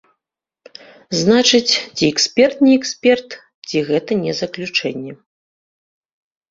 Значыць, ці эксперт не эксперт, ці гэта не заключэнне.